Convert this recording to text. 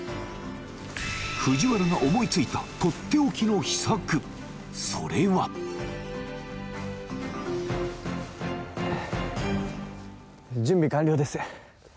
藤原が思いついたとっておきの秘策それは準備完了です